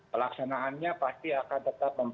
pelaksanaannya pasti akan tetap